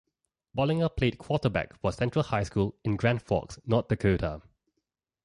Bollinger played quarterback for Central High School in Grand Forks, North Dakota.